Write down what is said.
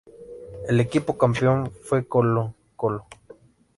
El equipo campeón fue Colo-Colo.